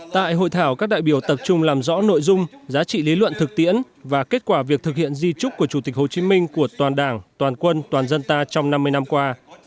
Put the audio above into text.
tại hội thảo các đại biểu tập trung làm rõ nội dung giá trị lý luận thực tiễn và kết quả việc thực hiện di trúc của chủ tịch hồ chí minh của toàn đảng toàn quân toàn dân ta trong năm mươi năm qua